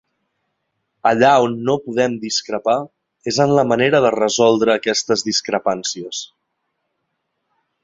Allà on no podem discrepar és en la manera de resoldre aquestes discrepàncies.